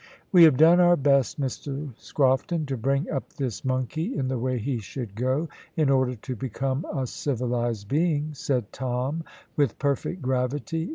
"We have done our best, Mr Scrofton, to bring up this monkey in the way he should go, in order to become a civilised being," said Tom, with perfect gravity.